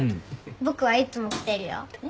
僕はいつも来てるよ。